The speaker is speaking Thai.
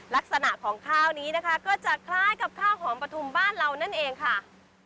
ลักษณะของข้าวนี้นะคะก็จะคล้ายกับข้าวหอมปฐุมบ้านเรานั่นเองค่ะ